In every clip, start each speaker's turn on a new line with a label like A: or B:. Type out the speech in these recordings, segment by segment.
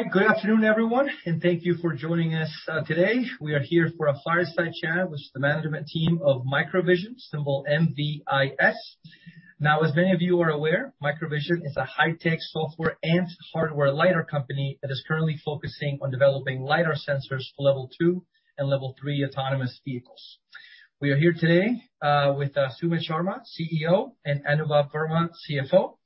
A: All right. Good afternoon, everyone, and thank you for joining us today. We are here for a fireside chat with the management team of MicroVision, symbol MVIS. Now, as many of you are aware, MicroVision is a high-tech software and hardware LiDAR company that is currently focusing on developing LiDAR sensors for level two and level three autonomous vehicles. We are here today with Sumit Sharma, CEO, and Anubhav Verma, CFO.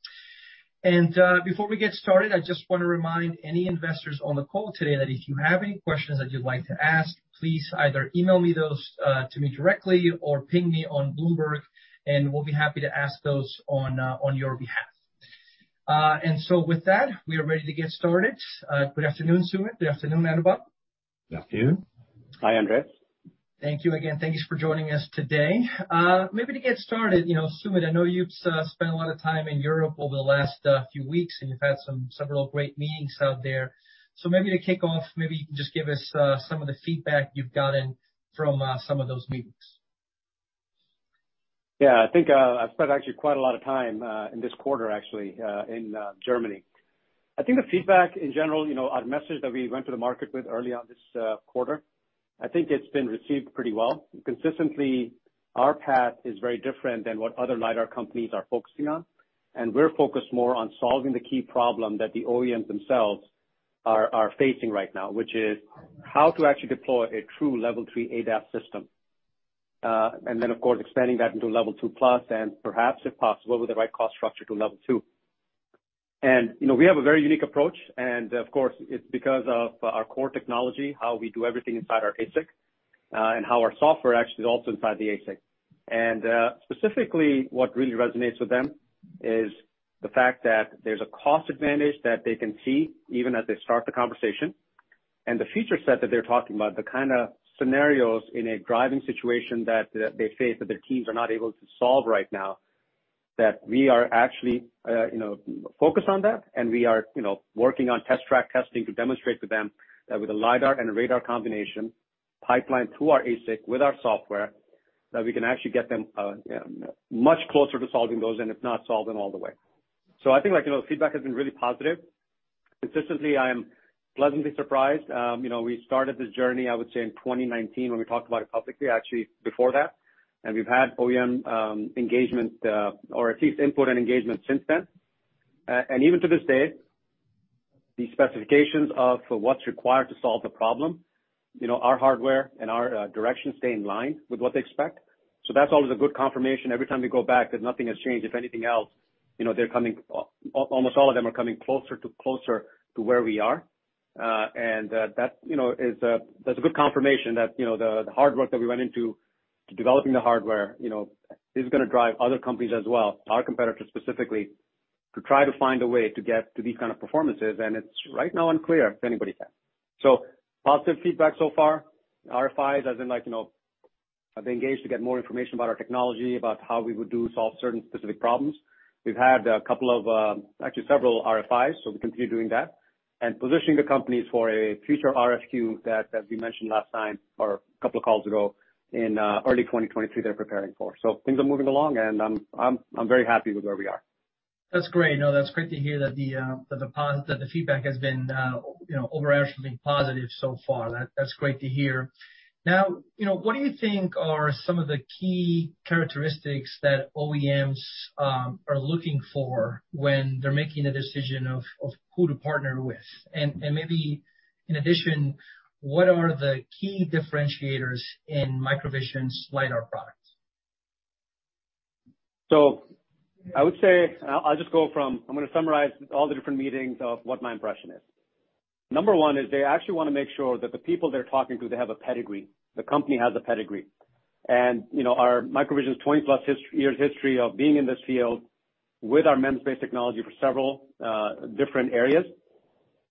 A: Before we get started, I just wanna remind any investors on the call today that if you have any questions that you'd like to ask, please either email me those to me directly or ping me on Bloomberg, and we'll be happy to ask those on your behalf. With that, we are ready to get started. Good afternoon, Sumit. Good afternoon, Anubhav.
B: Good afternoon.
C: Hi, Andres.
A: Thank you again. Thank you for joining us today. Maybe to get started, you know, Sumit, I know you've spent a lot of time in Europe over the last few weeks, and you've had several great meetings out there. Maybe to kick off, maybe you can just give us some of the feedback you've gotten from some of those meetings.
C: Yeah. I think I've spent actually quite a lot of time in this quarter, actually, in Germany. I think the feedback in general, you know, our message that we went to the market with early on this quarter, I think it's been received pretty well. Consistently, our path is very different than what other LiDAR companies are focusing on, and we're focused more on solving the key problem that the OEMs themselves are facing right now, which is how to actually deploy a true Level 3 ADAS system. Then, of course, expanding that into Level 2+ and perhaps, if possible, with the right cost structure to Level 2. You know, we have a very unique approach and of course, it's because of our core technology, how we do everything inside our ASIC, and how our software actually is also inside the ASIC. Specifically what really resonates with them is the fact that there's a cost advantage that they can see even as they start the conversation. The feature set that they're talking about, the kinda scenarios in a driving situation that they face that their teams are not able to solve right now, that we are actually, you know, focused on that. We are, you know, working on test track testing to demonstrate to them that with a LiDAR and radar combination pipelined through our ASIC with our software, that we can actually get them much closer to solving those and if not solve them all the way. I think like, you know, feedback has been really positive. Consistently, I am pleasantly surprised. You know, we started this journey, I would say in 2019 when we talked about it publicly, actually before that. We've had OEM engagement, or at least input and engagement since then, and even to this day, the specifications of what's required to solve the problem, you know, our hardware and our direction stay in line with what they expect. That's always a good confirmation every time we go back, that nothing has changed. If anything else, you know, almost all of them are coming closer to where we are. That's a good confirmation that you know the hard work that we went into developing the hardware you know is gonna drive other companies as well, our competitors specifically, to try to find a way to get to these kind of performances. It's right now unclear if anybody can. Positive feedback so far. RFIs, as in like you know they engage to get more information about our technology, about how we would solve certain specific problems. We've had a couple of actually several RFIs, so we continue doing that. Positioning the companies for a future RFQ that we mentioned last time or a couple of calls ago in early 2023, they're preparing for. Things are moving along and I'm very happy with where we are.
A: That's great. No, that's great to hear that the feedback has been overall actually positive so far. That's great to hear. Now, what do you think are some of the key characteristics that OEMs are looking for when they're making a decision of who to partner with? And maybe in addition, what are the key differentiators in MicroVision's LiDAR products?
C: I'm gonna summarize all the different meetings of what my impression is. Number one is they actually wanna make sure that the people they're talking to, they have a pedigree, the company has a pedigree. You know, our MicroVision's 20+ years history of being in this field with our MEMS-based technology for several different areas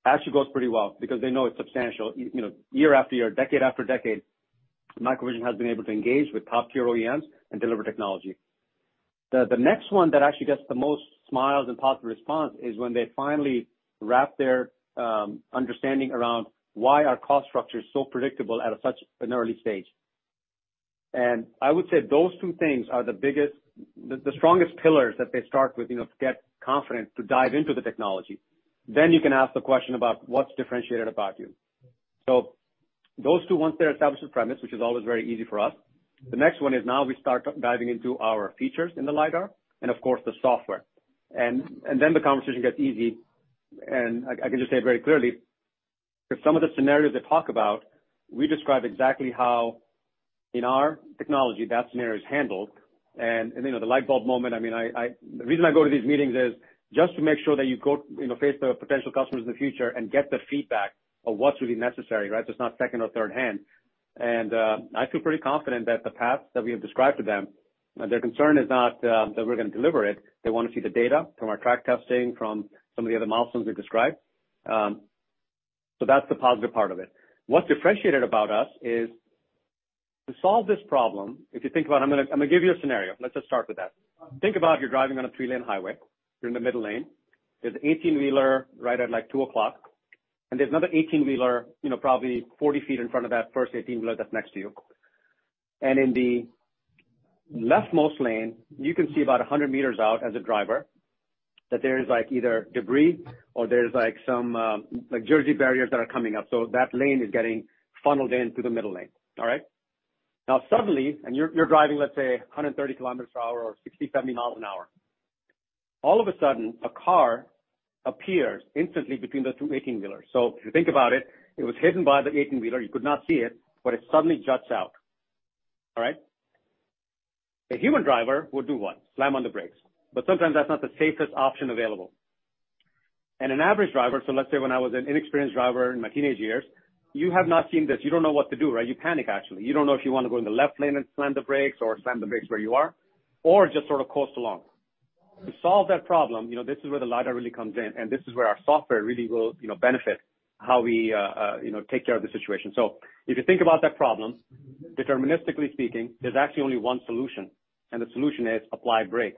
C: actually goes pretty well because they know it's substantial. You know, year after year, decade after decade, MicroVision has been able to engage with top-tier OEMs and deliver technology. The next one that actually gets the most smiles and positive response is when they finally wrap their understanding around why our cost structure is so predictable at such an early stage. I would say those two things are the biggest, the strongest pillars that they start with, you know, to get confident to dive into the technology. You can ask the question about what's differentiated about you. Those two, once they're established as premise, which is always very easy for us, the next one is now we start diving into our features in the LiDAR and of course the software. Then the conversation gets easy. I can just say it very clearly, for some of the scenarios they talk about, we describe exactly how in our technology that scenario is handled. You know, the light bulb moment, I mean, the reason I go to these meetings is just to make sure that you go, you know, face the potential customers in the future and get the feedback of what's really necessary, right? It's not second or third hand. I feel pretty confident that the paths that we have described to them, their concern is not that we're gonna deliver it. They wanna see the data from our track testing, from some of the other milestones we described. That's the positive part of it. What's differentiated about us is to solve this problem, if you think about it, I'm gonna give you a scenario. Let's just start with that. Think about you're driving on a three-lane highway. You're in the middle lane. There's an 18-wheeler right at like 02:00, and there's another 18-wheeler, you know, probably 40 ft in front of that first 18-wheeler that's next to you. In the leftmost lane, you can see about 100 m out as a driver that there is, like, either debris or there's like some, like Jersey barriers that are coming up. That lane is getting funneled into the middle lane. All right? Now suddenly, you're driving, let's say 130 km/h or 60-70 mph. All of a sudden, a car appears instantly between those two 18-wheelers. If you think about it was hidden by the 18-wheeler. You could not see it, but it suddenly juts out. All right? A human driver would do what? Slam on the brakes. Sometimes that's not the safest option available. An average driver, so let's say when I was an inexperienced driver in my teenage years, you have not seen this. You don't know what to do, right? You panic, actually. You don't know if you wanna go in the left lane and slam the brakes or slam the brakes where you are or just sort of coast along. To solve that problem, you know, this is where the LiDAR really comes in, and this is where our software really will, you know, take care of the situation. If you think about that problem, deterministically speaking, there's actually only one solution, and the solution is apply brake.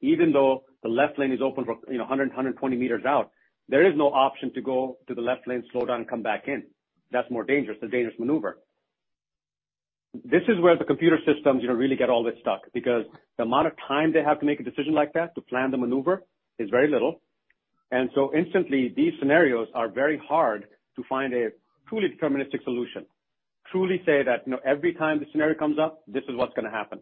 C: Even though the left lane is open for 120 m out, there is no option to go to the left lane, slow down, and come back in. That's more dangerous. It's a dangerous maneuver. This is where the computer systems, you know, really get all this stuck because the amount of time they have to make a decision like that to plan the maneuver is very little. Instantly, these scenarios are very hard to find a truly deterministic solution to truly say that, you know, every time the scenario comes up, this is what's gonna happen.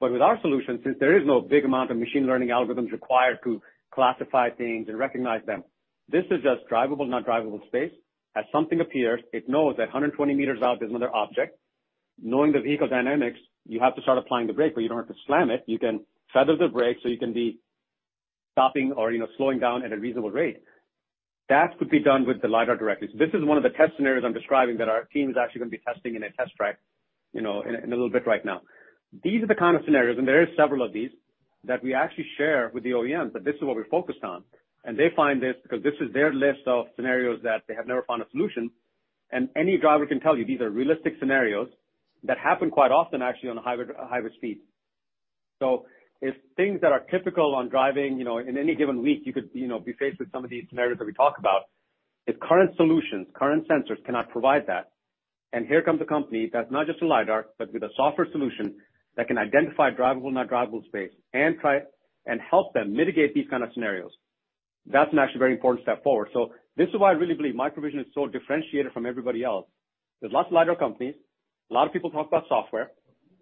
C: With our solution, since there is no big amount of machine learning algorithms required to classify things and recognize them, this is just drivable, not drivable space. As something appears, it knows that 120 m out, there's another object. Knowing the vehicle dynamics, you have to start applying the brake, but you don't have to slam it. You can feather the brake so you can be stopping or, you know, slowing down at a reasonable rate. That could be done with the LiDAR directly. This is one of the test scenarios I'm describing that our team's actually gonna be testing in a test track, you know, in a little bit right now. These are the kind of scenarios, and there are several of these, that we actually share with the OEMs, but this is what we're focused on. They find this because this is their list of scenarios that they have never found a solution. Any driver can tell you these are realistic scenarios that happen quite often actually on a higher speed. If things that are typical on driving, you know, in any given week, you could, you know, be faced with some of these scenarios that we talk about. If current solutions, current sensors cannot provide that, and here comes a company that's not just a LiDAR, but with a software solution that can identify drivable, not drivable space and try and help them mitigate these kind of scenarios. That's an actually very important step forward. This is why I really believe MicroVision is so differentiated from everybody else. There's lots of LiDAR companies. A lot of people talk about software,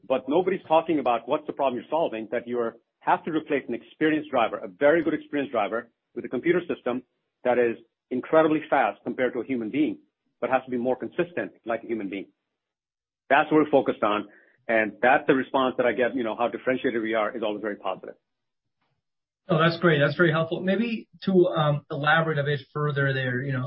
C: but nobody's talking about what's the problem you're solving, that you have to replace an experienced driver, a very good, experienced driver with a computer system that is incredibly fast compared to a human being, but has to be more consistent like a human being. That's what we're focused on, and that's the response that I get. You know, how differentiated we are is always very positive.
A: Oh, that's great. That's very helpful. Maybe to elaborate a bit further there, you know.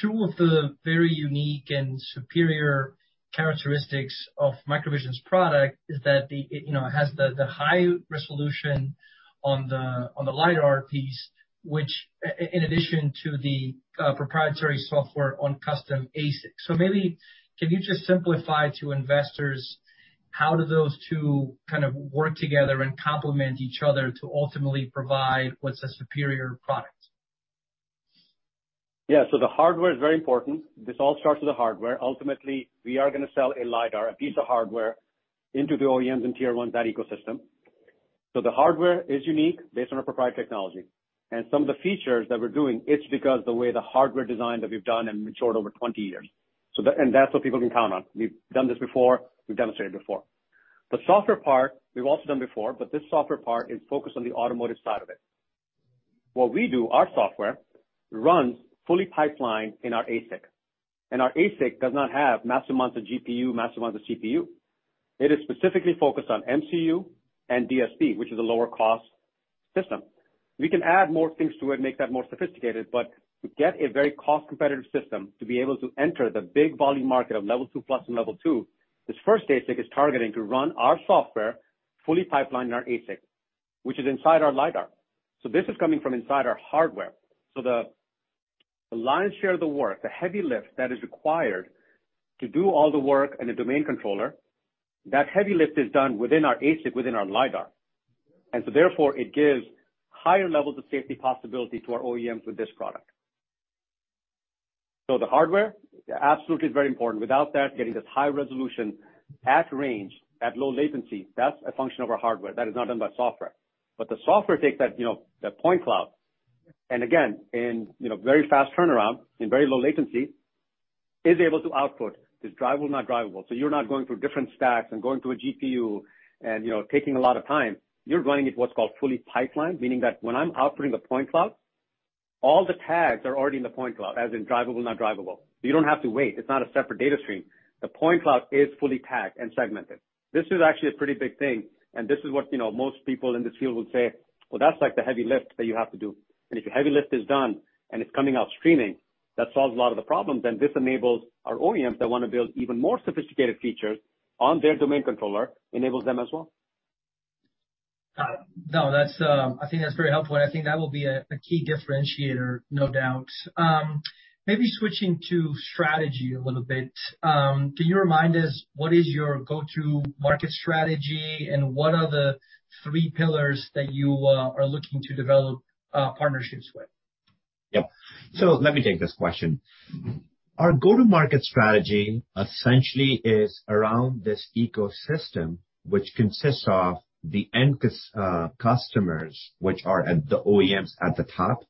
A: Two of the very unique and superior characteristics of MicroVision's product is that it you know has the high resolution on the LiDAR piece, which in addition to the proprietary software on custom ASIC. Maybe can you just simplify to investors how do those two kind of work together and complement each other to ultimately provide what's a superior product?
C: Yeah. The hardware is very important. This all starts with the hardware. Ultimately, we are gonna sell a LiDAR, a piece of hardware into the OEMs and Tier 1, that ecosystem. The hardware is unique based on our proprietary technology. Some of the features that we're doing, it's because the way the hardware design that we've done and matured over 20 years. That's what people can count on. We've done this before. We've demonstrated before. The software part we've also done before, but this software part is focused on the automotive side of it. What we do, our software runs fully pipelined in our ASIC, and our ASIC does not have massive amounts of GPU, massive amounts of CPU. It is specifically focused on MCU and DSP, which is a lower cost system. We can add more things to it, make that more sophisticated, but to get a very cost competitive system to be able to enter the big volume market of Level 2+ and Level 2, this first ASIC is targeting to run our software fully pipelined in our ASIC, which is inside our LiDAR. This is coming from inside our hardware. The lion's share of the work, the heavy lift that is required to do all the work in a domain controller, that heavy lift is done within our ASIC, within our LiDAR. Therefore, it gives higher levels of safety possibility to our OEMs with this product. The hardware absolutely is very important. Without that, getting this high resolution at range, at low latency, that's a function of our hardware. That is not done by software. The software takes that, you know, that point cloud and again, in, you know, very fast turnaround, in very low latency, is able to output this drivable, not drivable. You're not going through different stacks and going to a GPU and, you know, taking a lot of time. You're running it what's called fully pipelined, meaning that when I'm outputting a point cloud, all the tags are already in the point cloud, as in drivable, not drivable. You don't have to wait. It's not a separate data stream. The point cloud is fully tagged and segmented. This is actually a pretty big thing, and this is what, you know, most people in this field will say, "Well, that's like the heavy lift that you have to do." If your heavy lift is done and it's coming out streaming, that solves a lot of the problems, and this enables our OEMs that wanna build even more sophisticated features on their domain controller, enables them as well.
A: No, that's, I think that's very helpful, and I think that will be a key differentiator, no doubt. Maybe switching to strategy a little bit. Can you remind us what is your go-to market strategy and what are the three pillars that you are looking to develop partnerships with?
B: Yep. Let me take this question. Our go-to-market strategy essentially is around this ecosystem which consists of the end customers, which are at the OEMs at the top,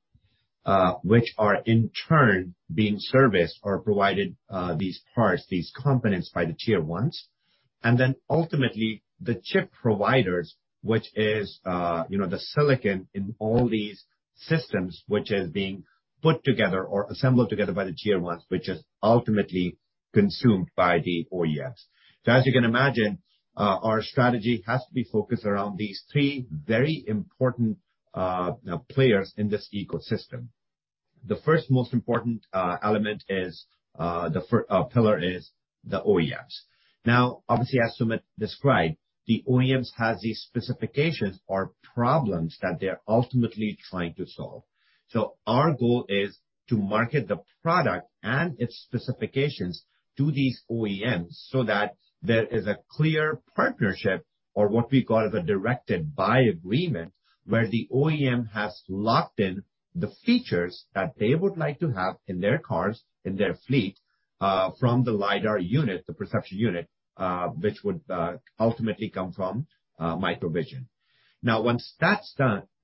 B: which are in turn being serviced or provided these parts, these components by the Tier 1s, and then ultimately the chip providers, which is, you know, the silicon in all these systems which is being put together or assembled together by the Tier 1s, which is ultimately consumed by the OEMs. As you can imagine, our strategy has to be focused around these three very important players in this ecosystem. The first most important element is the first pillar is the OEMs. Now, obviously, as Sumit described, the OEMs has these specifications or problems that they are ultimately trying to solve. Our goal is to market the product and its specifications to these OEMs so that there is a clear partnership or what we call as a directed-buy agreement, where the OEM has locked in the features that they would like to have in their cars, in their fleet, from the LiDAR unit, the perception unit, which would ultimately come from MicroVision. Now, once that's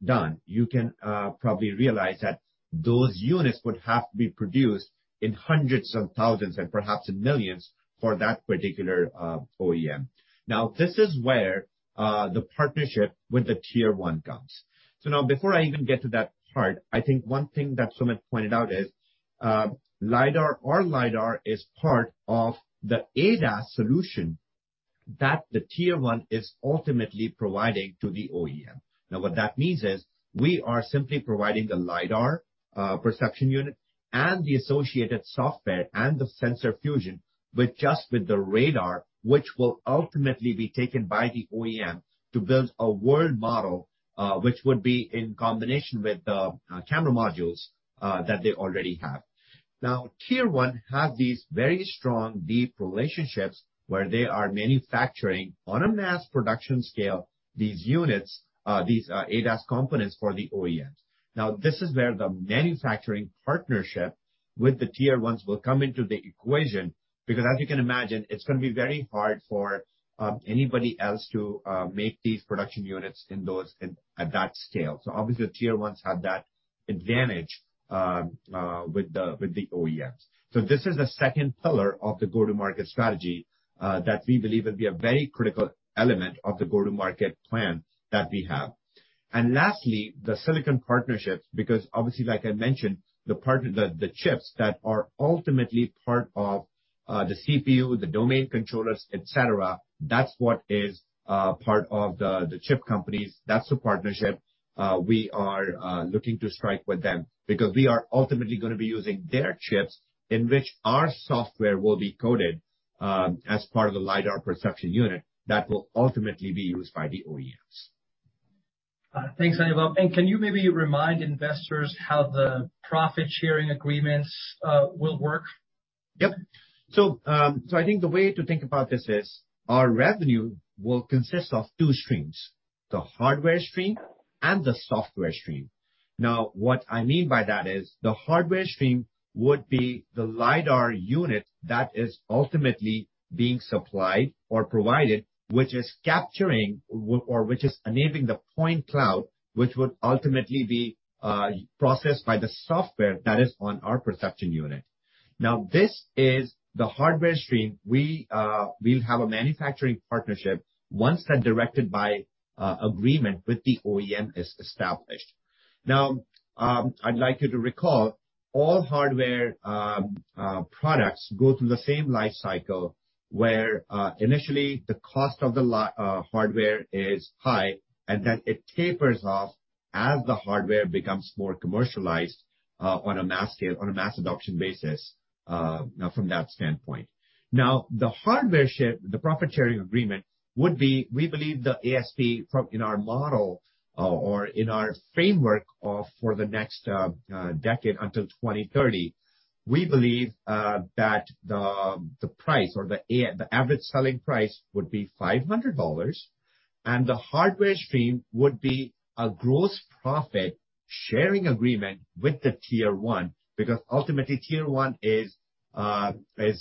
B: done, you can probably realize that those units would have to be produced in hundreds of thousands and perhaps in millions for that particular OEM. Now, this is where the partnership with the Tier 1 comes. Now before I even get to that part, I think one thing that Sumit pointed out is LiDAR or LiDAR is part of the ADAS solution that the Tier 1 is ultimately providing to the OEM. Now, what that means is we are simply providing the LiDAR perception unit and the associated software and the sensor fusion with just the radar, which will ultimately be taken by the OEM to build a world model, which would be in combination with the camera modules that they already have. Now, Tier 1 have these very strong, deep relationships where they are manufacturing on a mass production scale, these units, these ADAS components for the OEMs. Now, this is where the manufacturing partnership with the Tier 1s will come into the equation. Because as you can imagine, it's gonna be very hard for anybody else to make these production units at that scale. Obviously the Tier 1s have that advantage with the OEMs. This is the second pillar of the go-to-market strategy that we believe will be a very critical element of the go-to-market plan that we have. Lastly, the silicon partnerships, because obviously like I mentioned, the part of the chips that are ultimately part of the CPU, the domain controllers, et cetera, that's what is part of the chip companies. That's the partnership we are looking to strike with them because we are ultimately gonna be using their chips in which our software will be coded as part of the lidar perception unit that will ultimately be used by the OEMs.
A: Thanks, Anubhav. Can you maybe remind investors how the profit sharing agreements will work?
B: Yep. I think the way to think about this is our revenue will consist of two streams, the hardware stream and the software stream. Now, what I mean by that is the hardware stream would be the LiDAR unit that is ultimately being supplied or provided, which is enabling the point cloud, which would ultimately be processed by the software that is on our perception unit. Now, this is the hardware stream. We will have a manufacturing partnership once that directed-buy agreement with the OEM is established. Now, I'd like you to recall all hardware products go through the same life cycle where initially the cost of the hardware is high, and then it tapers off as the hardware becomes more commercialized on a mass scale, on a mass adoption basis from that standpoint. Now, the hardware share, the profit sharing agreement would be, we believe the ASP from in our model or in our framework of for the next decade until 2030, we believe that the price or the average selling price would be $500. The hardware stream would be a gross profit sharing agreement with the Tier 1, because ultimately Tier 1 is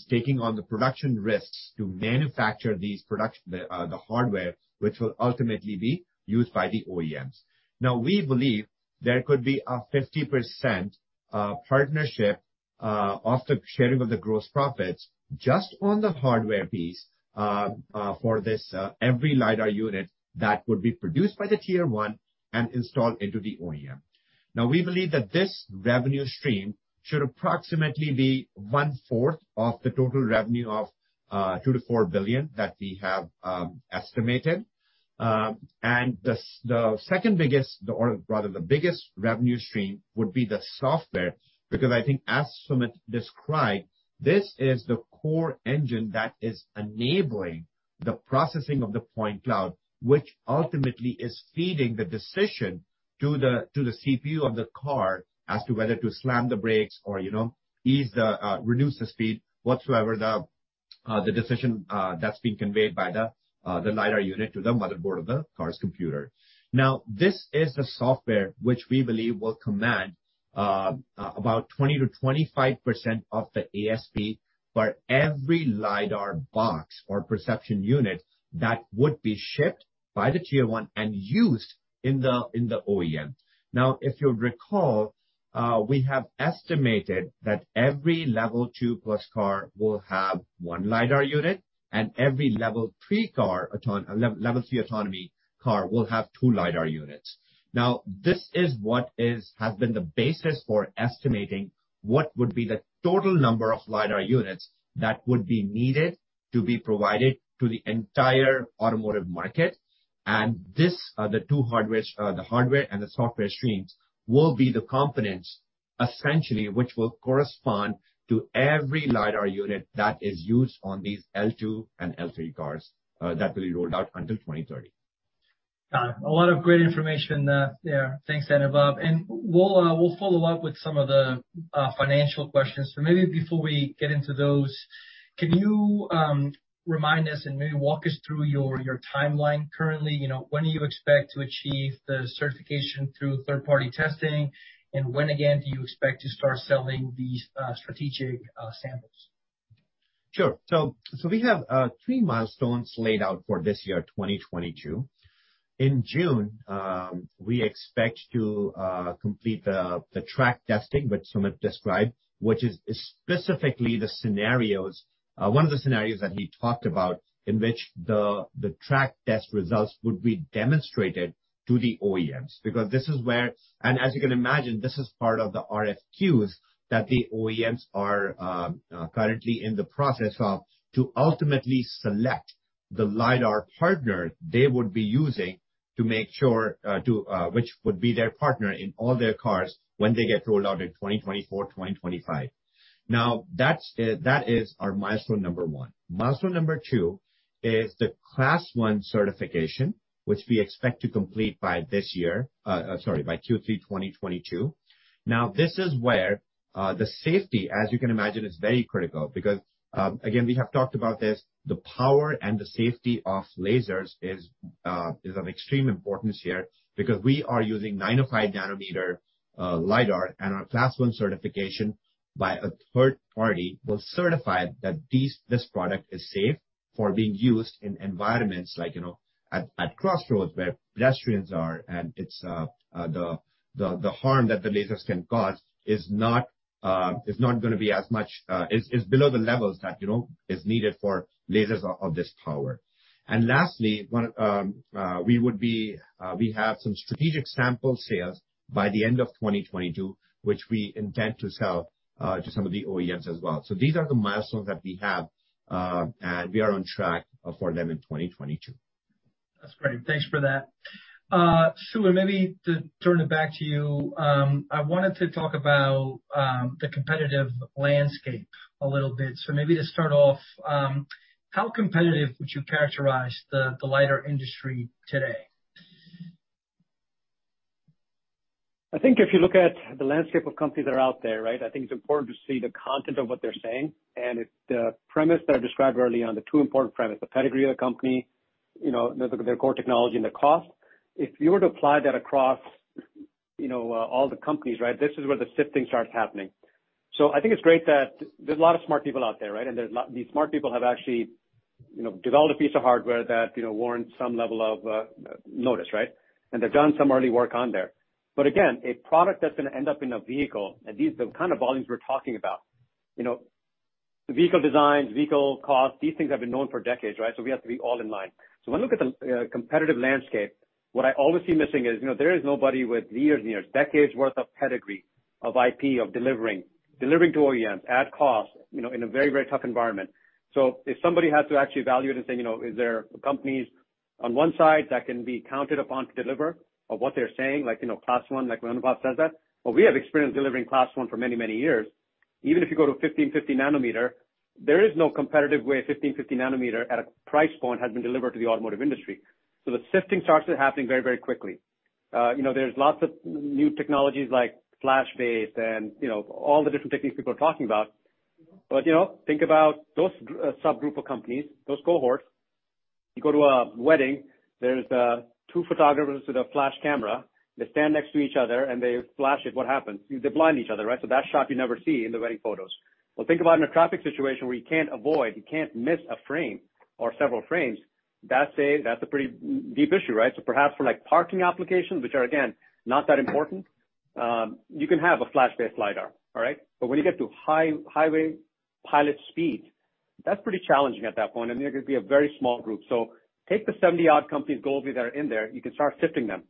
B: taking on the production risks to manufacture these production, the hardware which will ultimately be used by the OEMs. Now, we believe there could be a 50% partnership of the sharing of the gross profits just on the hardware piece for this every LiDAR unit that would be produced by the Tier 1 and installed into the OEM. Now, we believe that this revenue stream should approximately be 1/4 of the total revenue of $2 billion-$4 billion that we have estimated. The second biggest, or rather the biggest revenue stream would be the software, because I think as Sumit described, this is the core engine that is enabling the processing of the point cloud, which ultimately is feeding the decision to the CPU of the car as to whether to slam the brakes or, you know, reduce the speed whatsoever the decision that's been conveyed by the LiDAR unit to the motherboard of the car's computer. This is the software which we believe will command about 20%-25% of the ASP for every LiDAR box or perception unit that would be shipped by the Tier 1 and used in the OEM. Now, if you recall, we have estimated that every Level 2+ car will have one LiDAR unit and every Level 3 autonomy car will have two LiDAR units. Now, this has been the basis for estimating what would be the total number of LiDAR units that would be needed to be provided to the entire automotive market. This, the hardware and the software streams will be the components essentially which will correspond to every LiDAR unit that is used on these L2 and L3 cars, that will be rolled out until 2030.
A: Got it. A lot of great information there. Thanks, Anubhav. We'll follow up with some of the financial questions. Maybe before we get into those, can you remind us and maybe walk us through your timeline currently? You know, when do you expect to achieve the certification through third-party testing? And when again do you expect to start selling these strategic samples?
B: Sure. We have three milestones laid out for this year, 2022. In June, we expect to complete the track testing which Sumit described, which is specifically the scenarios, one of the scenarios that he talked about in which the track test results would be demonstrated to the OEMs. Because this is where, as you can imagine, this is part of the RFQs that the OEMs are currently in the process of to ultimately select the LiDAR partner they would be using to make sure which would be their partner in all their cars when they get rolled out in 2024, 2025. Now that is our milestone number one. Milestone number two is the Class 1 certification, which we expect to complete by Q3 2022. This is where the safety, as you can imagine, is very critical because, again, we have talked about this, the power and the safety of lasers is of extreme importance here because we are using 905 nm LiDAR and our Class 1 certification by a third party will certify that this product is safe for being used in environments like, you know, at crossroads where pedestrians are and it's the harm that the lasers can cause is not gonna be as much, is below the levels that, you know, is needed for lasers of this power. Lastly, we have some strategic sample sales by the end of 2022, which we intend to sell to some of the OEMs as well. These are the milestones that we have, and we are on track for them in 2022.
A: That's great. Thanks for that. Sumit, maybe to turn it back to you, I wanted to talk about the competitive landscape a little bit. Maybe to start off, how competitive would you characterize the LiDAR industry today?
C: I think if you look at the landscape of companies that are out there, right? I think it's important to see the content of what they're saying and the premise that I described early on, the two important premise, the pedigree of the company, you know, the, their core technology and the cost. If you were to apply that across, you know, all the companies, right? This is where the sifting starts happening. I think it's great that there's a lot of smart people out there, right? There's these smart people have actually, you know, developed a piece of hardware that, you know, warrants some level of notice, right? And they've done some early work on there. Again, a product that's gonna end up in a vehicle at these, the kind of volumes we're talking about, you know, the vehicle designs, vehicle costs, these things have been known for decades, right? We have to be all in line. When I look at the competitive landscape, what I always see missing is, you know, there is nobody with years and years, decades worth of pedigree, of IP, of delivering to OEMs at cost, you know, in a very, very tough environment. If somebody has to actually evaluate and say, you know, is there companies on one side that can be counted upon to deliver of what they're saying, like, you know, Class 1 like Anubhav says that. Well, we have experience delivering Class 1 for many, many years. Even if you go to 1550 nm, there is no competitive way a 1550 nm at a price point has been delivered to the automotive industry. The sifting starts to happen very, very quickly. You know, there's lots of new technologies like flash-based and, you know, all the different techniques people are talking about. You know, think about those subgroup of companies, those cohorts. You go to a wedding, there's two photographers with a flash camera. They stand next to each other and they flash it. What happens? They blind each other, right? So that shot you never see in the wedding photos. Well, think about in a traffic situation where you can't avoid, you can't miss a frame or several frames. That's a pretty deep issue, right? Perhaps for like parking applications, which are, again, not that important, you can have a flash-based LiDAR. All right. When you get to highway pilot speeds, that's pretty challenging at that point, and there could be a very small group. Take the 70-odd companies globally that are in there, you can start sifting them.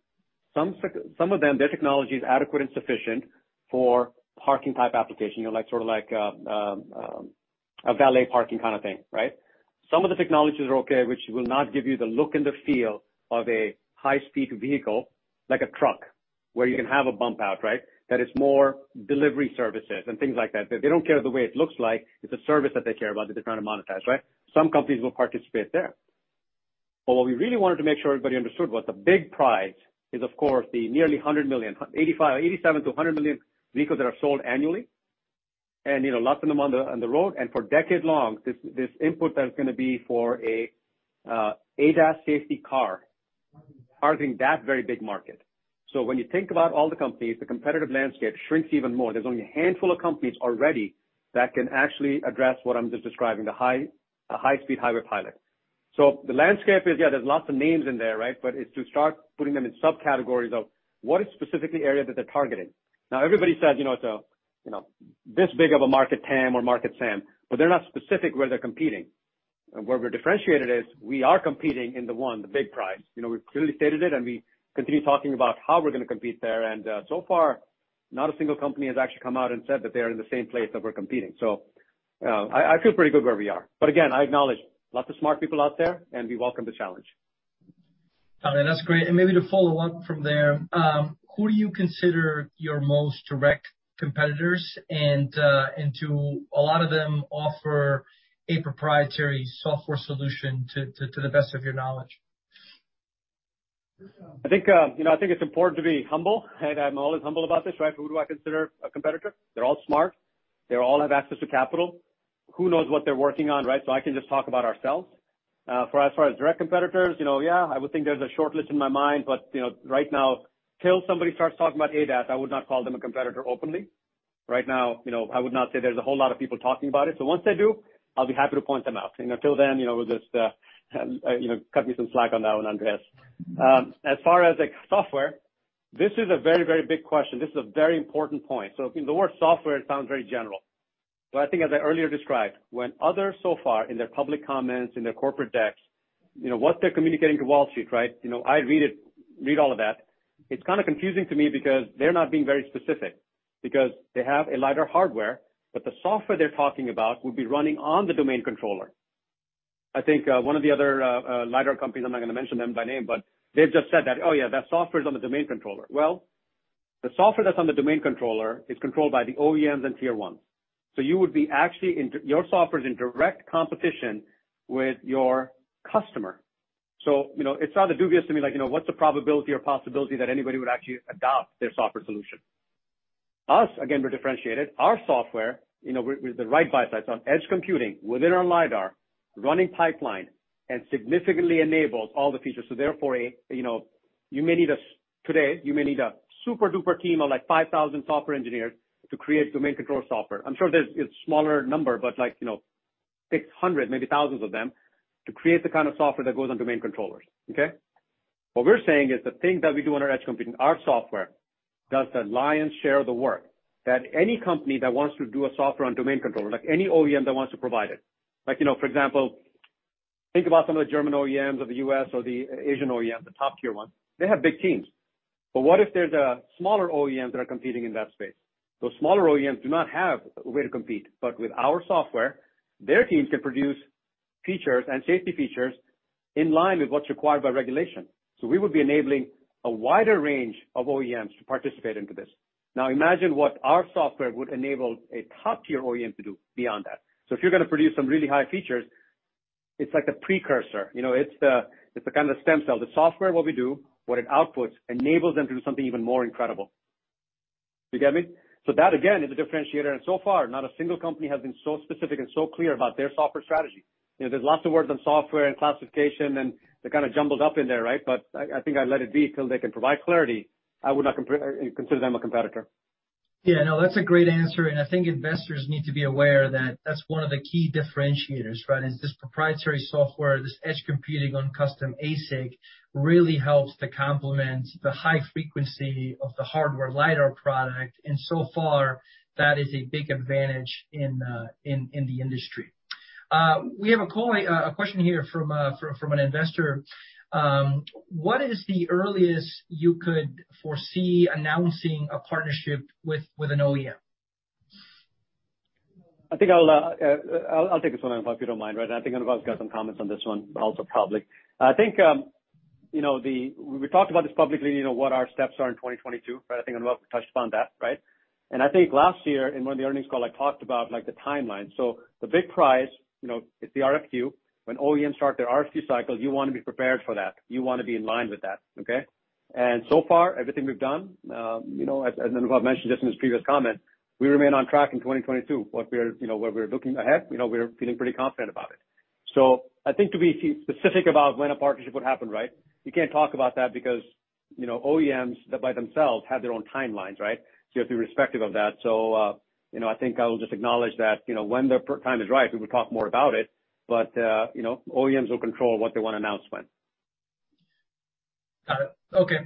C: Some of them, their technology is adequate and sufficient for parking type application. You know, like sort of like, a valet parking kind of thing, right? Some of the technologies are okay, which will not give you the look and the feel of a high-speed vehicle like a truck, where you can have a bump out, right? That it's more delivery services and things like that. They don't care the way it looks like. It's a service that they care about that they're trying to monetize, right? Some companies will participate there. What we really wanted to make sure everybody understood was the big prize is, of course, the nearly 100 million, 87-100 million vehicles that are sold annually. You know, lots of them on the road. For decade-long this input that is gonna be for a ADAS safety car targeting that very big market. When you think about all the companies, the competitive landscape shrinks even more. There's only a handful of companies already that can actually address what I'm just describing, a high-speed highway pilot. The landscape is, yeah, there's lots of names in there, right? It's to start putting them in subcategories of what is specifically area that they're targeting. Now, everybody says, you know, it's, you know, this big of a market TAM or market SAM, but they're not specific where they're competing. Where we're differentiated is we are competing in the one, the big prize. You know, we've clearly stated it, and we continue talking about how we're gonna compete there. So far, not a single company has actually come out and said that they are in the same place that we're competing. I feel pretty good where we are. Again, I acknowledge, lots of smart people out there, and we welcome the challenge.
A: Got it. That's great. Maybe to follow up from there, who do you consider your most direct competitors? Do a lot of them offer a proprietary software solution to the best of your knowledge?
C: I think it's important to be humble, and I'm always humble about this, right? Who do I consider a competitor? They're all smart. They all have access to capital. Who knows what they're working on, right? I can just talk about ourselves. For as far as direct competitors, you know, yeah, I would think there's a shortlist in my mind. You know, right now, till somebody starts talking about ADAS, I would not call them a competitor openly. Right now, you know, I would not say there's a whole lot of people talking about it. Once they do, I'll be happy to point them out. You know, till then, you know, just, you know, cut me some slack on that one, Andres. As far as like software, this is a very, very big question. This is a very important point. The word software sounds very general. I think as I earlier described, when others so far in their public comments, in their corporate decks, you know, what they're communicating to Wall Street, right? You know, I read it, read all of that. It's kinda confusing to me because they're not being very specific because they have a LiDAR hardware, but the software they're talking about would be running on the domain controller. I think one of the other LiDAR companies, I'm not gonna mention them by name, but they've just said that, "Oh, yeah, that software is on the domain controller." Well, the software that's on the domain controller is controlled by the OEMs and Tier 1s. You would be actually, your software is in direct competition with your customer. You know, it's rather dubious to me, like, you know, what's the probability or possibility that anybody would actually adopt their software solution? Us, again, we're differentiated. Our software, you know, with the right byte-sized on edge computing within our lidar, running pipeline, and significantly enables all the features. Therefore, you know, you may need a super-duper team of like 5,000 software engineers to create domain controller software. I'm sure there's a smaller number, but like, you know, 600, maybe thousands of them to create the kind of software that goes on domain controllers, okay? What we're saying is the thing that we do on our edge computing, our software does the lion's share of the work that any company that wants to do a software on domain controller, like any OEM that wants to provide it. Like, you know, for example, think about some of the German OEMs or the U.S. or the Asian OEMs, the top-tier ones. They have big teams. What if there's a smaller OEMs that are competing in that space? Those smaller OEMs do not have a way to compete. With our software, their teams can produce features and safety features in line with what's required by regulation. We would be enabling a wider range of OEMs to participate into this. Now imagine what our software would enable a top-tier OEM to do beyond that. If you're gonna produce some really high features, it's like the precursor. You know, it's the kinda stem cell. The software, what we do, what it outputs, enables them to do something even more incredible. You get me? That, again, is a differentiator. Far, not a single company has been so specific and so clear about their software strategy. You know, there's lots of words on software and classification, and they're kinda jumbled up in there, right? I think I'd let it be till they can provide clarity. I would not consider them a competitor.
A: Yeah, no, that's a great answer, and I think investors need to be aware that that's one of the key differentiators, right? Is this proprietary software, this edge computing on custom ASIC really helps to complement the high frequency of the hardware LiDAR product, and so far, that is a big advantage in the industry. We have a question here from an investor. What is the earliest you could foresee announcing a partnership with an OEM?
C: I think I'll take this one, Anubhav, if you don't mind, right? I think Anubhav's got some comments on this one also, probably. I think you know we talked about this publicly, you know, what our steps are in 2022, right? I think Anubhav touched upon that, right? I think last year in one of the earnings call, I talked about like the timeline. The big prize, you know, it's the RFQ. When OEMs start their RFQ cycle, you wanna be prepared for that. You wanna be in line with that, okay? So far, everything we've done, you know, as Anubhav mentioned just in his previous comment, we remain on track in 2022. What we're you know where we're looking ahead, you know, we're feeling pretty confident about it. I think to be specific about when a partnership would happen, right, you can't talk about that because, you know, OEMs by themselves have their own timelines, right? You have to be respectful of that. You know, I think I will just acknowledge that, you know, when the time is right, we will talk more about it. You know, OEMs will control what they wanna announce when.
A: Got it. Okay.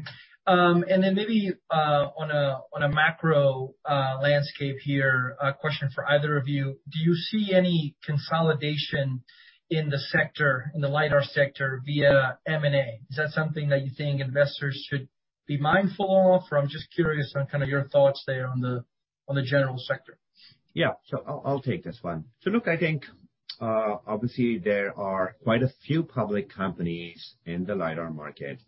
A: Maybe on a macro landscape here, a question for either of you. Do you see any consolidation in the sector, in the LiDAR sector via M&A? Is that something that you think investors should be mindful of? I'm just curious on kinda your thoughts there on the general sector.
B: Yeah. I'll take this one. Look, I think obviously there are quite a few public companies in the LiDAR market.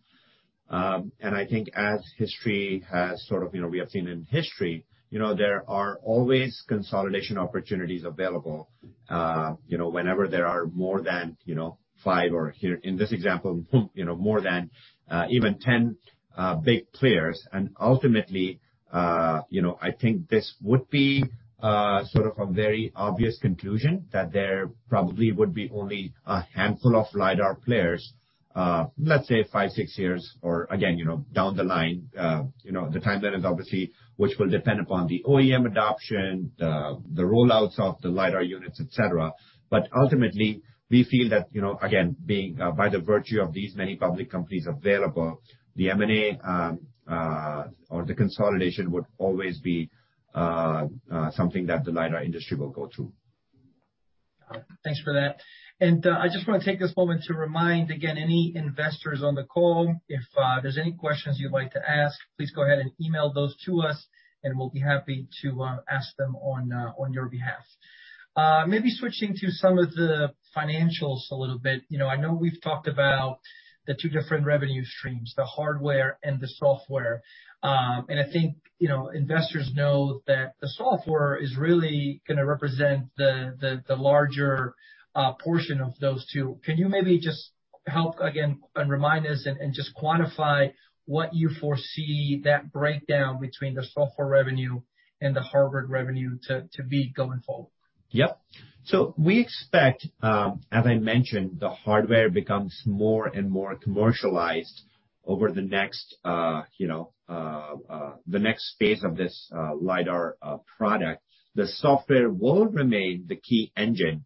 B: I think as history has sort of, you know, we have seen in history, you know, there are always consolidation opportunities available, you know, whenever there are more than, you know, five or here in this example, you know, more than, even 10 big players. Ultimately, I think this would be sort of a very obvious conclusion that there probably would be only a handful of LiDAR players, let's say five, six years or again, you know, down the line. The timeline is obviously which will depend upon the OEM adoption, the rollouts of the LiDAR units, et cetera. Ultimately, we feel that, you know, again, being by the virtue of these many public companies available, the M&A or the consolidation would always be something that the LiDAR industry will go through.
A: Got it. Thanks for that. I just wanna take this moment to remind, again, any investors on the call, if there's any questions you'd like to ask, please go ahead and email those to us, and we'll be happy to ask them on your behalf. Maybe switching to some of the financials a little bit. You know, I know we've talked about the two different revenue streams, the hardware and the software. I think, you know, investors know that the software is really gonna represent the larger portion of those two. Can you maybe just help again and remind us and just quantify what you foresee that breakdown between the software revenue and the hardware revenue to be going forward?
B: Yep. We expect, as I mentioned, the hardware becomes more and more commercialized over the next, you know, the next phase of this LiDAR product. The software will remain the key engine,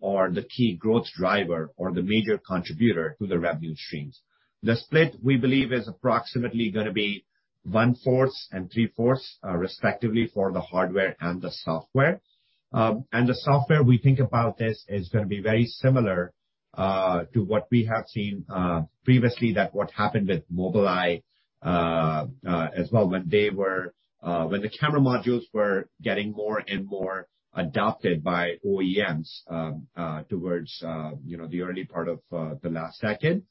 B: or the key growth driver or the major contributor to the revenue streams. The split, we believe, is approximately gonna be one-fourth and three-fourths, respectively for the hardware and the software. The software we think about this is gonna be very similar to what we have seen previously, to what happened with Mobileye, as well, when the camera modules were getting more and more adopted by OEMs, towards, you know, the early part of the last second.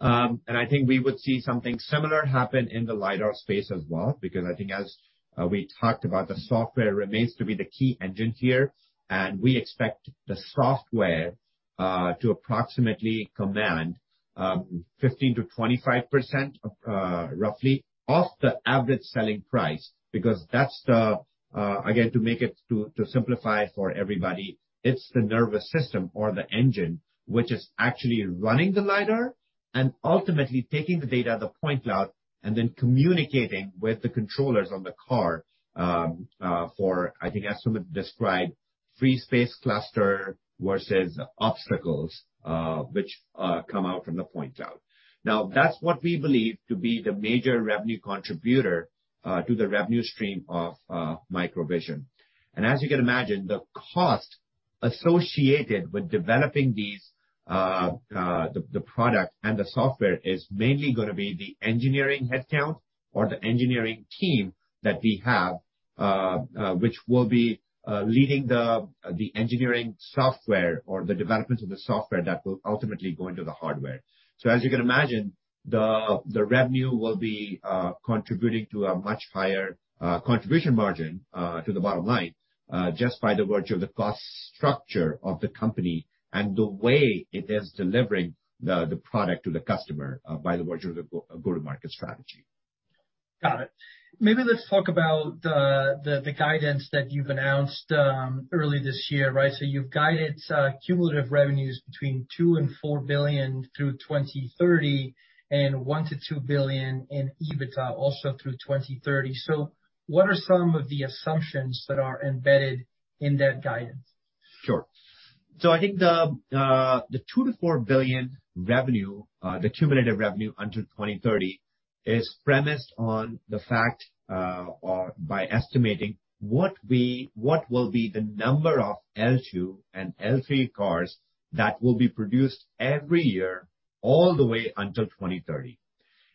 B: I think we would see something similar happen in the LiDAR space as well, because I think as we talked about, the software remains to be the key engine here, and we expect the software to approximately command 15%-25%, roughly, of the average selling price, because that's the, again, to simplify it for everybody, it's the nervous system or the engine which is actually running the LiDAR and ultimately taking the data, the point cloud, and then communicating with the controllers on the car for, I think, as Sumit described, free space cluster versus obstacles, which come out from the point cloud. Now, that's what we believe to be the major revenue contributor to the revenue stream of MicroVision. As you can imagine, the cost associated with developing these, the product and the software is mainly gonna be the engineering headcount or the engineering team that we have, which will be leading the engineering software or the development of the software that will ultimately go into the hardware. As you can imagine, the revenue will be contributing to a much higher contribution margin to the bottom line, just by the virtue of the cost structure of the company and the way it is delivering the product to the customer, by the virtue of the go-to-market strategy.
A: Got it. Maybe let's talk about the guidance that you've announced early this year, right? You've guided cumulative revenues between $2 billion and $4 billion through 2030 and $1 billion-$2 billion in EBITDA also through 2030. What are some of the assumptions that are embedded in that guidance?
B: Sure. I think the $2 billion-$4 billion revenue, the cumulative revenue until 2030 is premised on the fact, or by estimating what will be the number of L2 and L3 cars that will be produced every year all the way until 2030.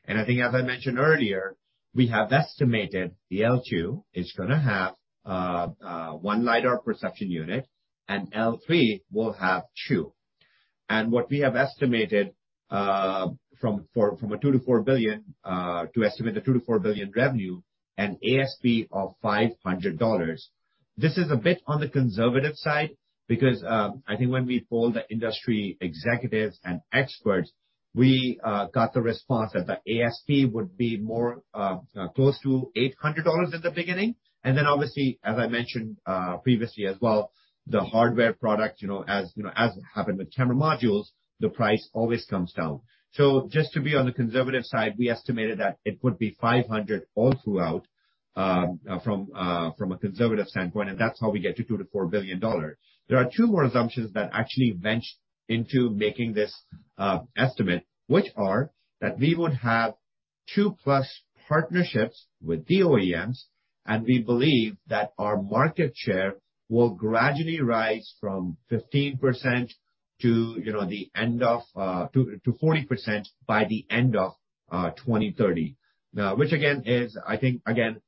B: I think as I mentioned earlier, we have estimated the L2 is gonna have one LiDAR perception unit and L3 will have 2. What we have estimated from a $2 billion-$4 billion to estimate the $2 billion-$4 billion revenue, an ASP of $500. This is a bit on the conservative side because I think when we polled the industry executives and experts, we got the response that the ASP would be closer to $800 in the beginning. Obviously, as I mentioned, previously as well, the hardware product, you know, as happened with camera modules, the price always comes down. Just to be on the conservative side, we estimated that it would be 500 all throughout, from a conservative standpoint, and that's how we get to $2 billion-$4 billion. There are two more assumptions that actually went into making this estimate, which are that we would have 2+ partnerships with the OEMs, and we believe that our market share will gradually rise from 15% to, you know, 40% by the end of 2030. Now, which again is, I think again,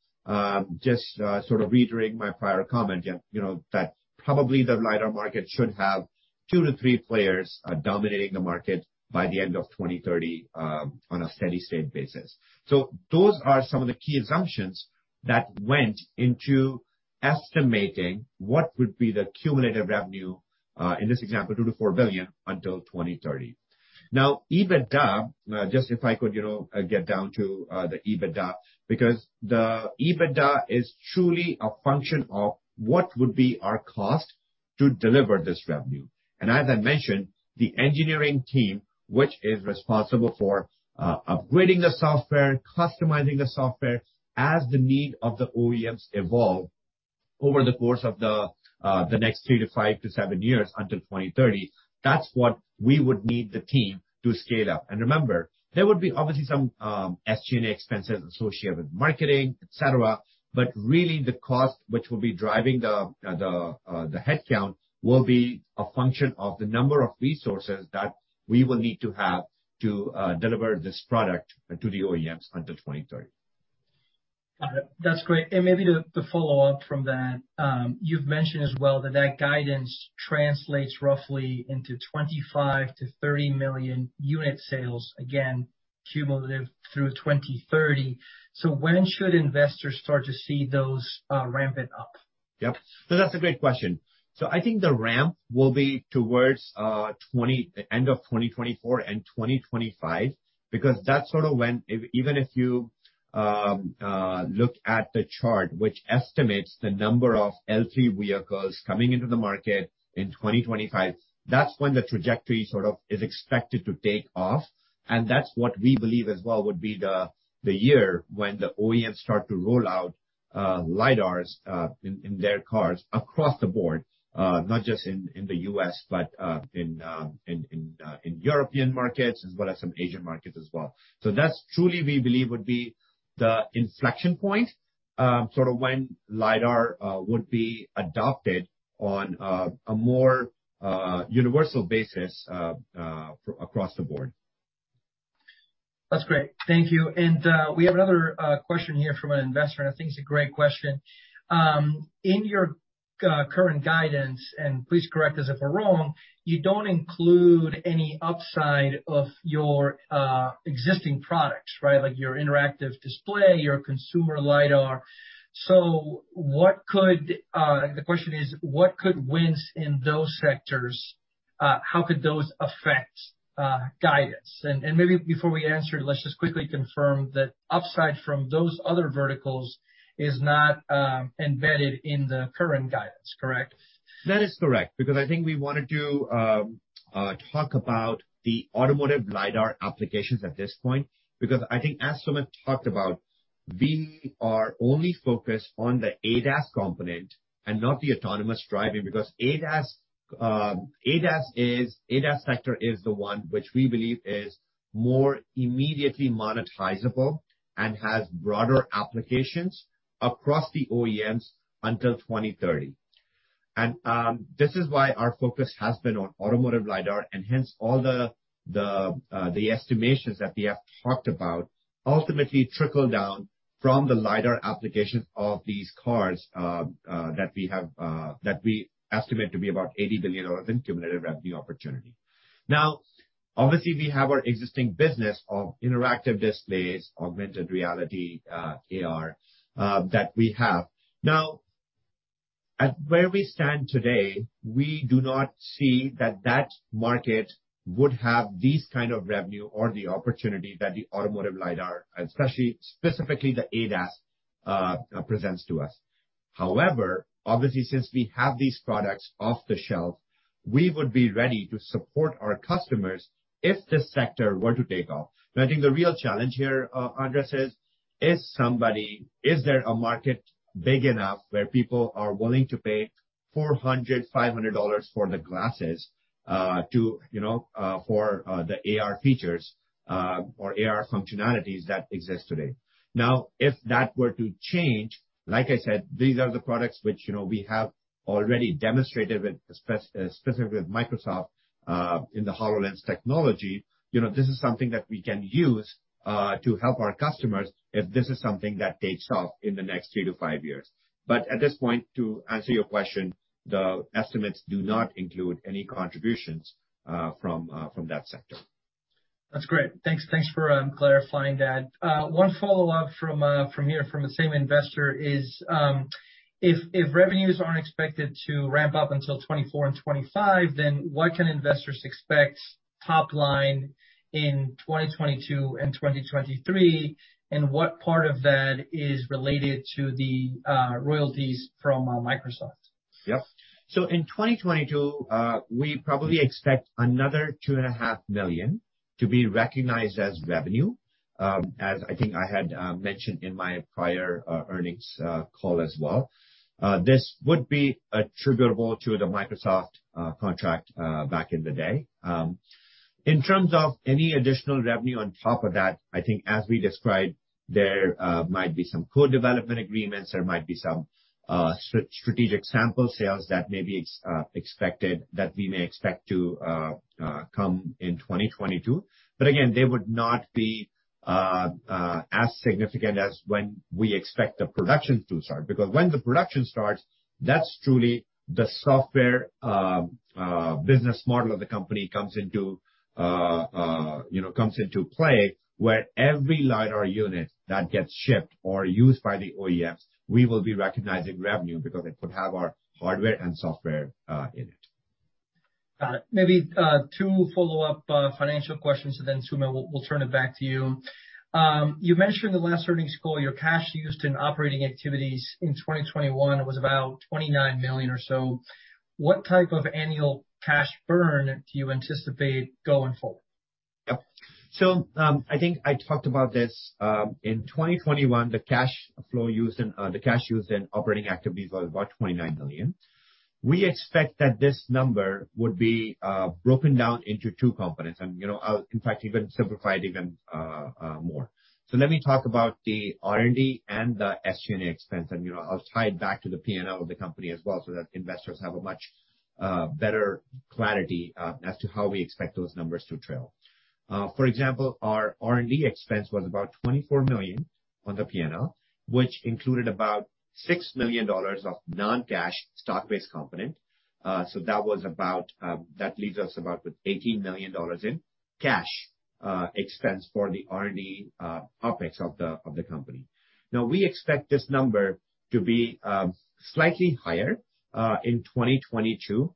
B: just sort of reiterating my prior comment, you know, that probably the LiDAR market should have two to three players dominating the market by the end of 2030 on a steady state basis. Those are some of the key assumptions that went into estimating what would be the cumulative revenue in this example $2 billion-$4 billion until 2030. Now, EBITDA, just if I could, you know, get down to the EBITDA, because the EBITDA is truly a function of what would be our cost to deliver this revenue. As I mentioned, the engineering team, which is responsible for upgrading the software, customizing the software as the need of the OEMs evolve over the course of the next three to five to seven years until 2030. That's what we would need the team to scale up. Remember, there would be obviously some SG&A expenses associated with marketing, et cetera. Really the cost which will be driving the headcount will be a function of the number of resources that we will need to have to deliver this product to the OEMs until 2030.
A: Maybe to follow up from that, you've mentioned as well that guidance translates roughly into 25-30 million unit sales, again, cumulative through 2030. When should investors start to see those ramp it up?
B: Yep. That's a great question. I think the ramp will be towards the end of 2024 and 2025, because that's sort of when even if you look at the chart which estimates the number of L3 vehicles coming into the market in 2025, that's when the trajectory sort of is expected to take off. That's what we believe as well would be the year when the OEMs start to roll out LiDARs in their cars across the board, not just in the U.S., but in European markets as well as some Asian markets as well. That's truly we believe would be the inflection point, sort of when LiDAR would be adopted on a more universal basis for across the board.
A: That's great. Thank you. We have another question here from an investor, and I think it's a great question. In your current guidance, and please correct us if we're wrong, you don't include any upside of your existing products, right? Like your interactive display, your consumer LiDAR. The question is, what could wins in those sectors, how could those affect guidance? And maybe before we answer, let's just quickly confirm that upside from those other verticals is not embedded in the current guidance, correct?
B: That is correct. Because I think we wanted to talk about the automotive LiDAR applications at this point, because I think as Sumit talked about, we are only focused on the ADAS component and not the autonomous driving because ADAS sector is the one which we believe is more immediately monetizable and has broader applications across the OEMs until 2030. This is why our focus has been on automotive LiDAR and hence all the estimations that we have talked about ultimately trickle down from the LiDAR application of these cars that we estimate to be about $80 billion in cumulative revenue opportunity. Now, obviously, we have our existing business of interactive displays, augmented reality, AR that we have. Now, at where we stand today, we do not see that market would have these kind of revenue or the opportunity that the automotive LiDAR, especially specifically the ADAS, presents to us. However, obviously, since we have these products off the shelf, we would be ready to support our customers if this sector were to take off. Now, I think the real challenge here, Andres, is there a market big enough where people are willing to pay $400-$500 for the glasses, to, you know, for, the AR features, or AR functionalities that exist today. Now, if that were to change, like I said, these are the products which, you know, we have already demonstrated with, specifically with Microsoft, in the HoloLens technology. You know, this is something that we can use to help our customers if this is something that takes off in the next three to five years. At this point, to answer your question, the estimates do not include any contributions from that sector.
A: That's great. Thanks for clarifying that. One follow-up from the same investor is, if revenues aren't expected to ramp up until 2024 and 2025, then what can investors expect top line in 2022 and 2023? And what part of that is related to the royalties from Microsoft?
B: Yep. In 2022, we probably expect another $2.5 million to be recognized as revenue, as I think I had mentioned in my prior earnings call as well. This would be attributable to the Microsoft contract back in the day. In terms of any additional revenue on top of that, I think as we described, there might be some co-development agreements, there might be some strategic sample sales that we may expect to come in 2022. Again, they would not be as significant as when we expect the production to start, because when the production starts, that's truly the software business model of the company you know comes into play, where every LiDAR unit that gets shipped or used by the OEMs, we will be recognizing revenue because it would have our hardware and software in it.
A: Got it. Maybe two follow-up financial questions, and then, Sumit, we'll turn it back to you. You mentioned in the last earnings call your cash used in operating activities in 2021 was about $29 million or so. What type of annual cash burn do you anticipate going forward?
B: Yeah. I think I talked about this in 2021, the cash used in operating activities was about $29 million. We expect that this number would be broken down into two components. You know, I'll in fact even simplify it more. Let me talk about the R&D and the SG&A expense, and you know, I'll tie it back to the P&L of the company as well so that investors have a much better clarity as to how we expect those numbers to trail. For example, our R&D expense was about $24 million on the P&L, which included about $6 million of non-cash stock-based component. That leaves us about with $18 million in cash expense for the R&D OpEx of the company. We expect this number to be slightly higher in 2022,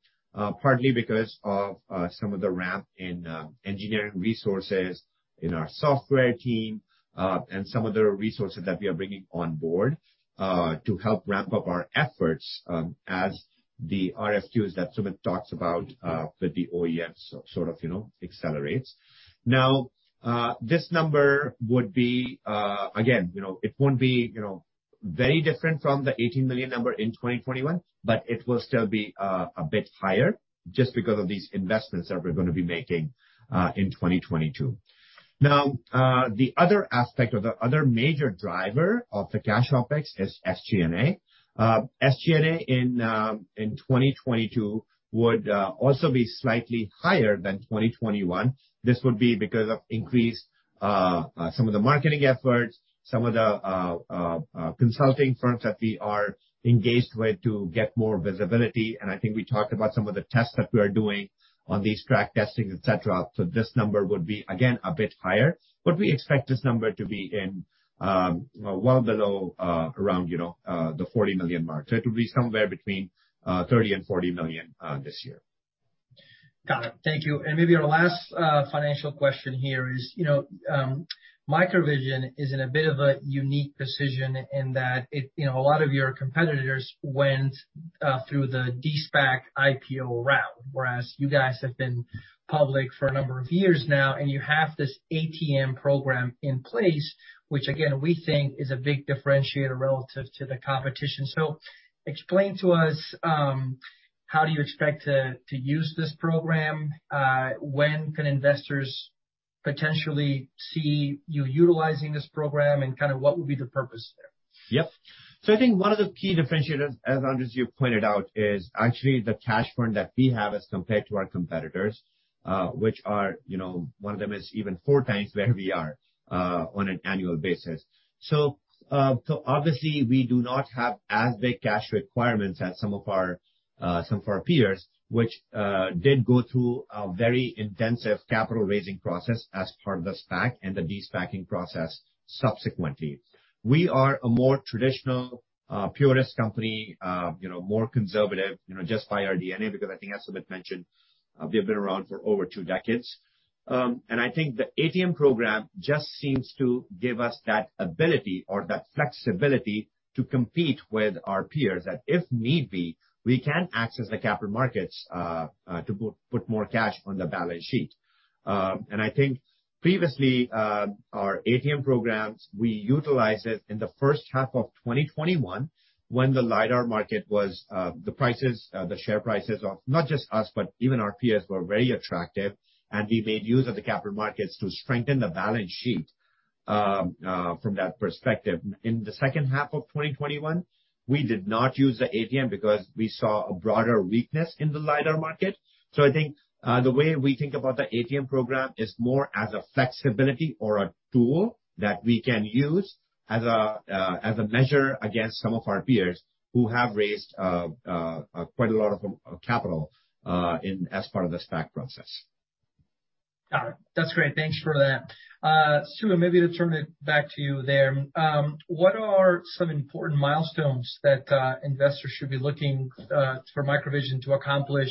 B: partly because of some of the ramp in engineering resources in our software team, and some other resources that we are bringing on board to help ramp up our efforts, as the RFQs that Sumit talks about with the OEMs sort of, you know, accelerates. This number would be, again, you know, it won't be, you know, very different from the $18 million number in 2021, but it will still be a bit higher just because of these investments that we're gonna be making in 2022. Now, the other aspect or the other major driver of the cash OpEx is SG&A. SG&A in 2022 would also be slightly higher than 2021. This would be because of increased some of the marketing efforts, some of the consulting firms that we are engaged with to get more visibility. I think we talked about some of the tests that we are doing on these track testing, et cetera. This number would be again a bit higher, but we expect this number to be well below around you know the $40 million mark. It will be somewhere between $30 million-$40 million this year.
A: Got it. Thank you. Maybe our last financial question here is, you know, MicroVision is in a bit of a unique position in that it, you know, a lot of your competitors went through the de-SPAC IPO route, whereas you guys have been public for a number of years now, and you have this ATM program in place, which again, we think is a big differentiator relative to the competition. Explain to us how do you expect to use this program? When can investors potentially see you utilizing this program, and kinda what would be the purpose there?
B: Yep. I think one of the key differentiators, as Andres, you pointed out, is actually the cash burn that we have as compared to our competitors, which are, you know, one of them is even four times where we are, on an annual basis. Obviously we do not have as big cash requirements as some of our peers, which did go through a very intensive capital raising process as part of the SPAC and the de-SPAC process subsequently. We are a more traditional, purist company, you know, more conservative, you know, just by our DNA, because I think as Sumit mentioned, we have been around for over two decades. I think the ATM program just seems to give us that ability or that flexibility to compete with our peers, that if need be, we can access the capital markets to put more cash on the balance sheet. I think previously, our ATM programs, we utilized it in the first half of 2021 when the share prices of not just us, but even our peers, were very attractive, and we made use of the capital markets to strengthen the balance sheet from that perspective. In the second half of 2021, we did not use the ATM because we saw a broader weakness in the LiDAR market. I think the way we think about the ATM program is more as a flexibility or a tool that we can use as a measure against some of our peers who have raised quite a lot of capital in as part of the SPAC process.
A: Got it. That's great. Thanks for that. Sumit, maybe to turn it back to you there. What are some important milestones that investors should be looking for MicroVision to accomplish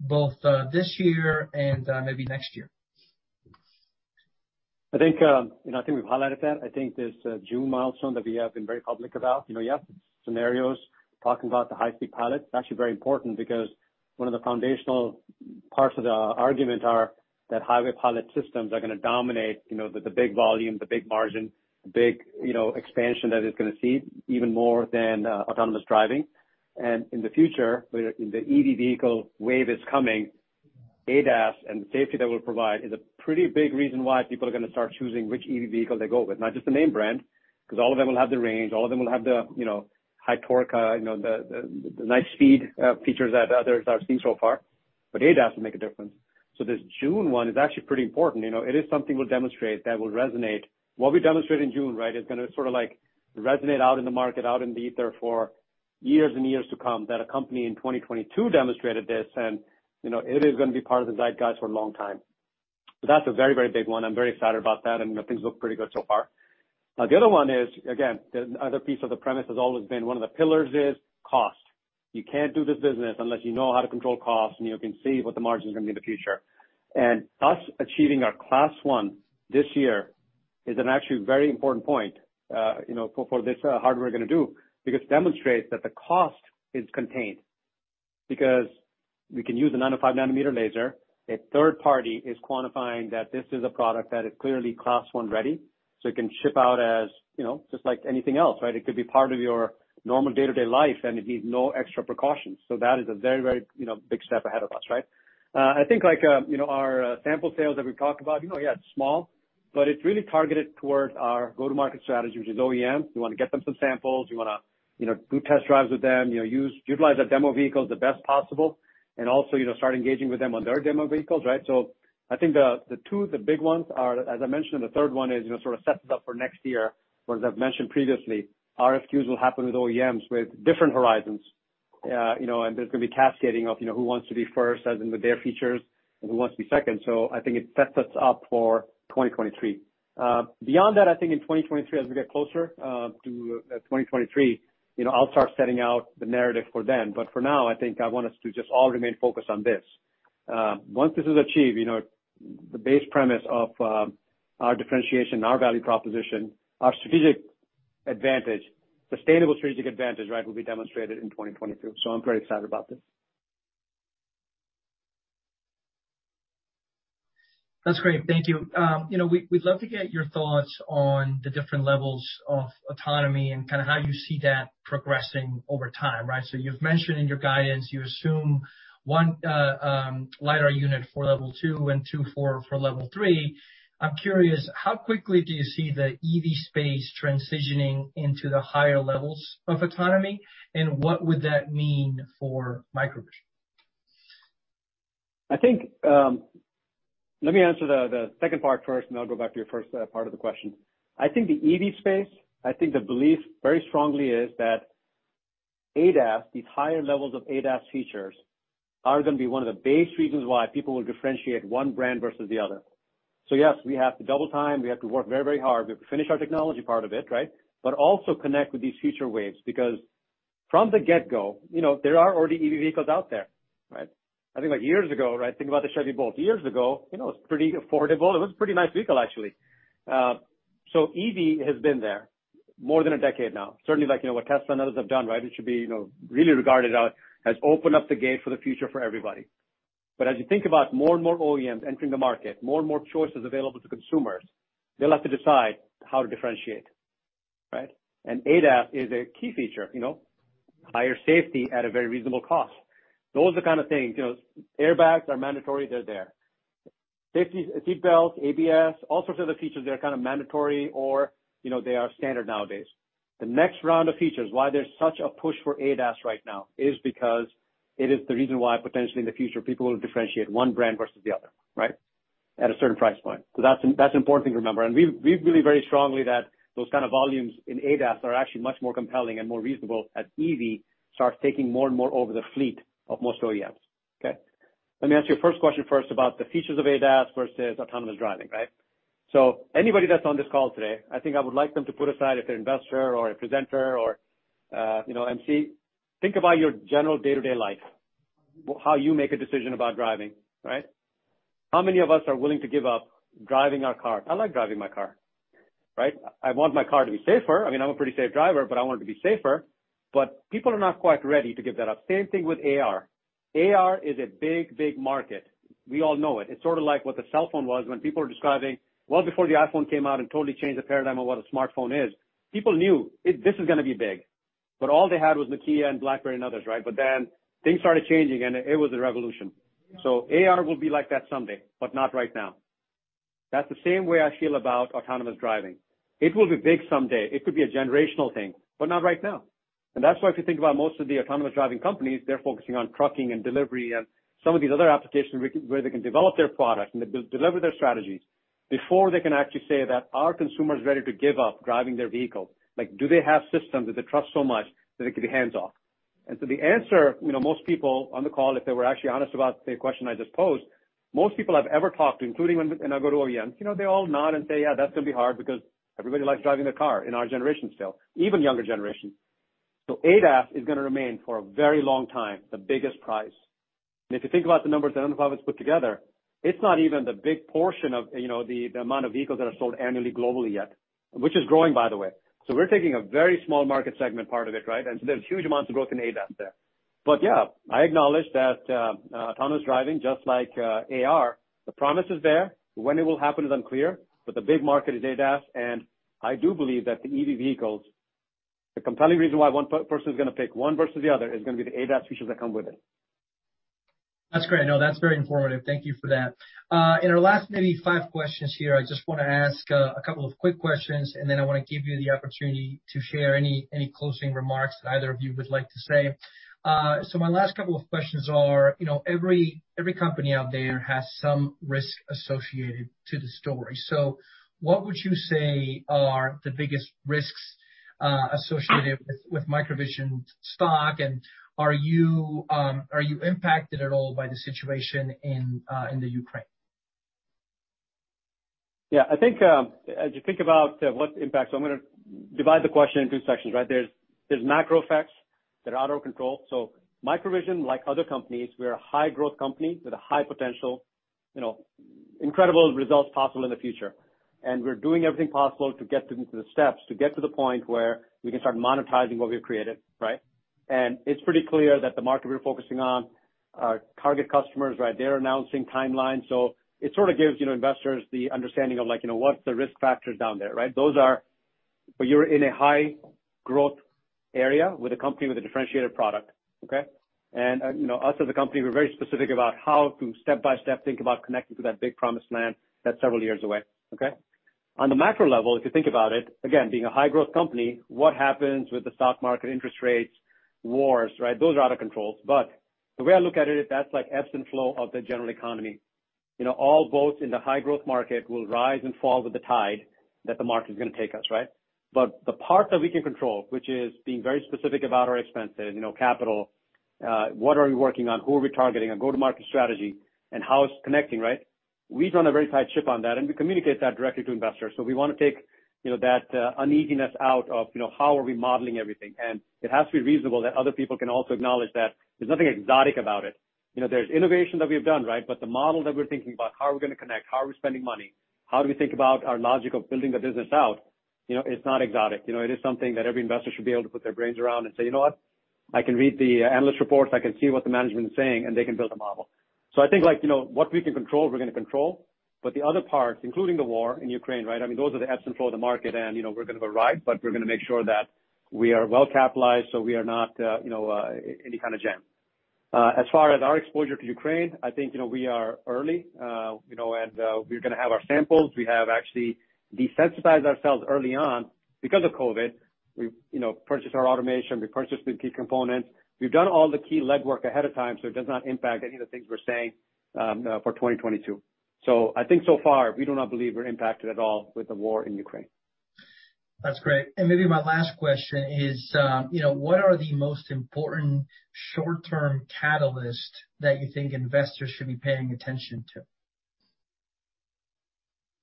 A: both this year and maybe next year?
C: I think, you know, I think we've highlighted that. I think this June milestone that we have been very public about, you know, you have scenarios talking about the highway pilots. It's actually very important because one of the foundational parts of the argument are that highway pilot systems are gonna dominate, you know, the big volume, the big margin, the big, you know, expansion that it's gonna see even more than autonomous driving. In the future, where the EV vehicle wave is coming, ADAS and the safety that we'll provide is a pretty big reason why people are gonna start choosing which EV vehicle they go with, not just the name brand, 'cause all of them will have the range, all of them will have the, you know, high torque, you know, the nice speed, features that others are seeing so far. ADAS will make a difference. This June 1 is actually pretty important. You know, it is something we'll demonstrate that will resonate. What we demonstrate in June, right, is gonna sort of like resonate out in the market, out in the ether for years and years to come, that a company in 2022 demonstrated this and, you know, it is gonna be part of the zeitgeist for a long time. That's a very, very big one. I'm very excited about that, and, you know, things look pretty good so far. Now, the other one is, again, the other piece of the premise has always been one of the pillars is cost. You can't do this business unless you know how to control cost and you can see what the margin's gonna be in the future. Us achieving our Class 1 this year is actually very important point, you know, for this hardware we're gonna do, because it demonstrates that the cost is contained. Because we can use a 905 nm laser. A third party is quantifying that this is a product that is clearly Class 1 ready, so it can ship out as, you know, just like anything else, right? It could be part of your normal day-to-day life, and it needs no extra precautions. That is a very, you know, big step ahead of us, right? I think like, you know, our sample sales that we talked about, you know, yeah, it's small, but it's really targeted towards our go-to-market strategy, which is OEM. We wanna get them some samples. We wanna, you know, do test drives with them, you know, utilize our demo vehicles the best possible and also, you know, start engaging with them on their demo vehicles, right? I think the two of the big ones are, as I mentioned, and the third one is, you know, sort of set this up for next year, but as I've mentioned previously, RFQs will happen with OEMs with different horizons. You know, there's gonna be cascading of, you know, who wants to be first as in with their features and who wants to be second. I think it sets us up for 2023. Beyond that, I think in 2023, as we get closer to 2023, you know, I'll start setting out the narrative for then. For now, I think I want us to just all remain focused on this. Once this is achieved, you know, the base premise of our differentiation, our value proposition, our strategic advantage, sustainable strategic advantage, right, will be demonstrated in 2022. I'm very excited about this.
A: That's great. Thank you. You know, we'd love to get your thoughts on the different levels of autonomy and kinda how you see that progressing over time, right? You've mentioned in your guidance you assume one LiDAR unit for Level 2 and two for Level 3. I'm curious, how quickly do you see the EV space transitioning into the higher levels of autonomy, and what would that mean for MicroVision?
C: I think, let me answer the second part first, and then I'll go back to your first part of the question. I think the EV space, I think the belief very strongly is that ADAS, these higher levels of ADAS features are gonna be one of the base reasons why people will differentiate one brand versus the other. Yes, we have to double time. We have to work very, very hard. We have to finish our technology part of it, right? Also connect with these future waves because from the get-go, you know, there are already EV vehicles out there, right? I think like years ago, right, think about the Chevy Volt. Years ago, you know, it was pretty affordable. It was a pretty nice vehicle actually. EV has been there more than a decade now. Certainly, like, you know, what Tesla and others have done, right? It should be, you know, really regarded as opened up the gate for the future for everybody. As you think about more and more OEMs entering the market, more and more choices available to consumers, they'll have to decide how to differentiate, right? ADAS is a key feature, you know. Higher safety at a very reasonable cost. Those are the kind of things, you know, airbags are mandatory, they're there. Safety seat belts, ABS, all sorts of other features that are kind of mandatory or, you know, they are standard nowadays. The next round of features, why there's such a push for ADAS right now is because it is the reason why potentially in the future, people will differentiate one brand versus the other, right, at a certain price point. That's an important thing to remember. We believe very strongly that those kind of volumes in ADAS are actually much more compelling and more reasonable as EV starts taking more and more over the fleet of most OEMs. Okay. Let me answer your first question first about the features of ADAS versus autonomous driving, right? Anybody that's on this call today, I think I would like them to put aside if they're investor or a presenter or, you know, MC. Think about your general day-to-day life, how you make a decision about driving, right? How many of us are willing to give up driving our car? I like driving my car, right? I want my car to be safer. I mean, I'm a pretty safe driver, but I want it to be safer. People are not quite ready to give that up. Same thing with AR. AR is a big, big market. We all know it. It's sort of like what the cell phone was when people were describing well before the iPhone came out and totally changed the paradigm of what a smartphone is. People knew it, this is gonna be big, but all they had was Nokia and BlackBerry and others, right? But then things started changing, and it was a revolution. AR will be like that someday, but not right now. That's the same way I feel about autonomous driving. It will be big someday. It could be a generational thing, but not right now. That's why if you think about most of the autonomous driving companies, they're focusing on trucking and delivery and some of these other applications where they can develop their products and they deliver their strategies before they can actually say that, "Are consumers ready to give up driving their vehicle?" Like, do they have systems that they trust so much that it could be hands-off? The answer, you know, most people on the call, if they were actually honest about the question I just posed, most people I've ever talked to, including when I go to OEMs, you know, they all nod and say, "Yeah, that's gonna be hard because everybody likes driving their car in our generation still, even younger generation." ADAS is gonna remain for a very long time, the biggest prize. If you think about the numbers that independent put together, it's not even the big portion of, you know, the amount of vehicles that are sold annually globally yet, which is growing by the way. We're taking a very small market segment part of it, right? There's huge amounts of growth in ADAS there. Yeah, I acknowledge that, autonomous driving just like AR, the promise is there. When it will happen is unclear, but the big market is ADAS, and I do believe that the EV vehicles, the compelling reason why one person is gonna pick one versus the other is gonna be the ADAS features that come with it.
A: That's great. No, that's very informative. Thank you for that. In our last maybe five questions here, I just wanna ask a couple of quick questions, and then I wanna give you the opportunity to share any closing remarks that either of you would like to say. My last couple of questions are, you know, every company out there has some risk associated to the story. What would you say are the biggest risks associated with MicroVision stock? And are you impacted at all by the situation in Ukraine?
C: Yeah. I think I'm gonna divide the question in two sections, right? There's macro effects that are out of control. MicroVision, like other companies, we're a high growth company with a high potential, you know, incredible results possible in the future. We're doing everything possible to get through the steps, to get to the point where we can start monetizing what we've created, right? It's pretty clear that the market we're focusing on, our target customers, right, they're announcing timelines. It sorta gives, you know, investors the understanding of, like, you know, what's the risk factors down there, right? Those are. You're in a high growth area with a company with a differentiated product, okay? You know, us as a company, we're very specific about how to step-by-step think about connecting to that big promised land that's several years away, okay? On the macro level, if you think about it, again, being a high growth company, what happens with the stock market, interest rates, wars, right? Those are out of our control. The way I look at it, that's like ebbs and flows of the general economy. You know, all boats in the high growth market will rise and fall with the tide that the market is gonna take us, right? The part that we can control, which is being very specific about our expenses, you know, capital, what are we working on? Who are we targeting? Our go-to-market strategy and how it's connecting, right? We run a very tight ship on that, and we communicate that directly to investors. We wanna take, you know, that uneasiness out of, you know, how are we modeling everything. It has to be reasonable that other people can also acknowledge that there's nothing exotic about it. You know, there's innovation that we have done, right? The model that we're thinking about, how are we gonna connect, how are we spending money, how do we think about our logic of building the business out, you know, it's not exotic. You know, it is something that every investor should be able to put their brains around and say, "You know what? I can read the analyst reports. I can see what the management is saying," and they can build a model. I think, like, you know, what we can control, we're gonna control, but the other parts, including the war in Ukraine, right? I mean, those are the ebbs and flows of the market, and, you know, we're gonna arrive, but we're gonna make sure that we are well-capitalized so we are not, you know, in any kind of jam. As far as our exposure to Ukraine, I think, you know, we are early, you know, and, we're gonna have our samples. We have actually diversified ourselves early on because of COVID. We, you know, purchased our automation. We purchased the key components. We've done all the key legwork ahead of time, so it does not impact any of the things we're saying, for 2022. I think so far, we do not believe we're impacted at all with the war in Ukraine.
A: That's great. Maybe my last question is, you know, what are the most important short-term catalyst that you think investors should be paying attention to?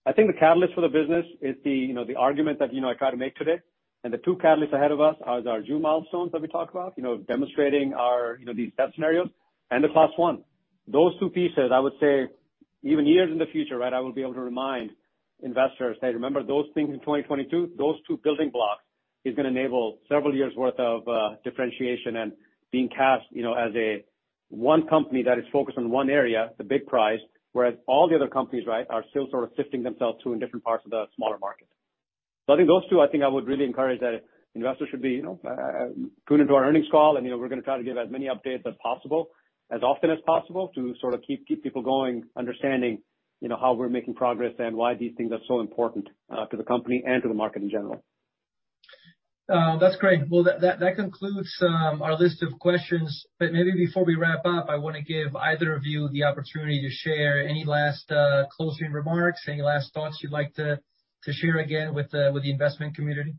C: I think the catalyst for the business is the, you know, the argument that, you know, I try to make today. The two catalysts ahead of us is our June milestones that we talk about, you know, demonstrating our, you know, these step scenarios, and the Class 1. Those two pieces, I would say, even years in the future, right, I will be able to remind investors, say, "Remember those things in 2022? Those two building blocks is gonna enable several years worth of differentiation and being cast, you know, as a one company that is focused on one area, the big prize, whereas all the other companies, right, are still sort of sifting themselves to in different parts of the smaller market." I think those two. I would really encourage that investors should be, you know, tuned into our earnings call. You know, we're gonna try to give as many updates as possible as often as possible to sort of keep people going, understanding, you know, how we're making progress and why these things are so important to the company and to the market in general.
A: That's great. Well, that concludes our list of questions. Maybe before we wrap up, I wanna give either of you the opportunity to share any last closing remarks, any last thoughts you'd like to share again with the investment community.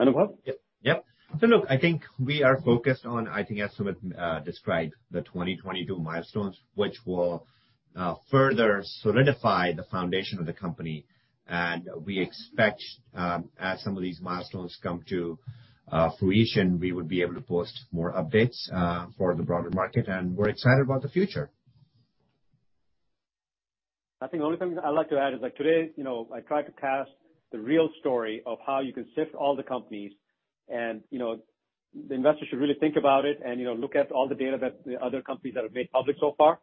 C: Anubhav?
B: Yep. Look, I think we are focused on, as Sumit described, the 2022 milestones, which will further solidify the foundation of the company. We expect, as some of these milestones come to fruition, we would be able to post more updates for the broader market, and we're excited about the future.
C: I think the only thing I'd like to add is, like today, you know, I tried to cast the real story of how you can sift all the companies and, you know, the investors should really think about it and, you know, look at all the data that the other companies that have made public so far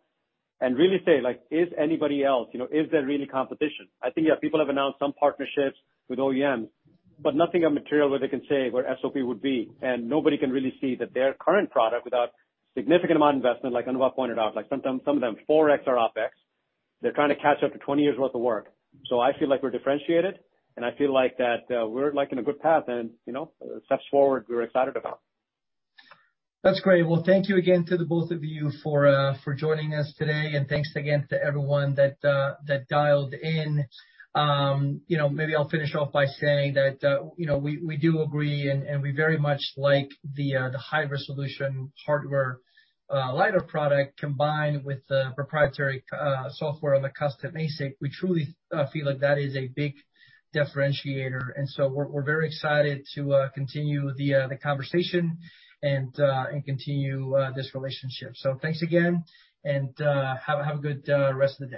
C: and really say, like, is anybody else? You know, is there really competition? I think, yeah, people have announced some partnerships with OEMs, but nothing of material where they can say where SOP would be. Nobody can really see that their current product, without significant amount of investment, like Anubhav pointed out, like sometimes some of them, 4x our OpEx, they're trying to catch up to 20 years' worth of work. I feel like we're differentiated, and I feel like that, we're like in a good path and, you know, steps forward we're excited about.
A: That's great. Well, thank you again to the both of you for joining us today. Thanks again to everyone that dialed in. You know, maybe I'll finish off by saying that, you know, we do agree and we very much like the high resolution hardware LiDAR product combined with the proprietary software of the custom ASIC. We truly feel like that is a big differentiator. We're very excited to continue the conversation and continue this relationship. Thanks again, and have a good rest of the day.